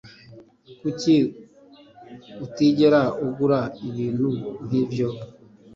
Kuki utigera ugura ibintu nkibyo